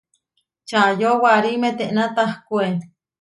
Čayó warí metená tahkué.